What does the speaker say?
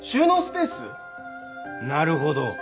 なるほど。